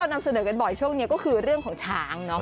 นำเสนอกันบ่อยช่วงนี้ก็คือเรื่องของช้างเนาะ